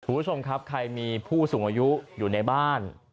คุณผู้ชมครับใครมีผู้สูงอายุอยู่ในบ้าน